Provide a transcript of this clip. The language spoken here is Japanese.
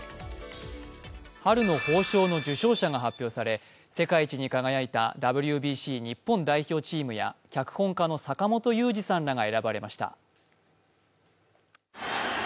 春の褒章の受章者が発表され、世界一に輝いたＷＢＣ日本代表チームや脚本家の坂元裕二さんらが選ばれました。